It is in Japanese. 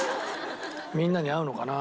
みんなに合うのかな？